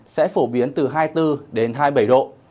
sẽ phổ biến từ hai mươi bốn đến hai mươi bảy độ